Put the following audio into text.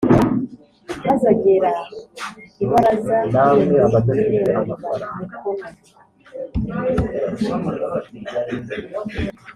maze agera ibaraza rindi ry irembo riba mikono